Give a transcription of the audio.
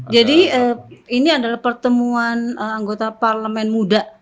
jadi ini adalah pertemuan anggota parlamen muda